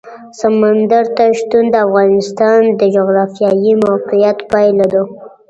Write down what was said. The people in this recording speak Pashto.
سمندر نه شتون د افغانستان د جغرافیایي موقیعت پایله ده.